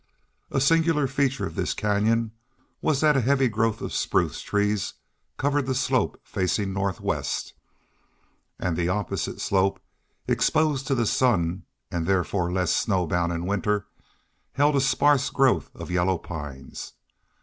A singular feature of this canyon was that a heavy growth of spruce trees covered the slope facing northwest; and the opposite slope, exposed to the sun and therefore less snowbound in winter, held a sparse growth of yellow pines.